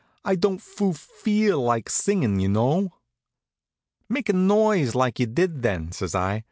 "I don't fu feel like singing, y'know." "Make a noise like you did then," says I.